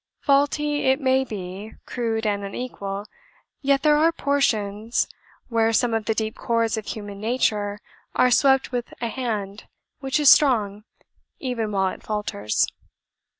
Faulty it may be, crude and unequal, yet there are portions where some of the deep chords of human nature are swept with a hand which is strong even while it falters.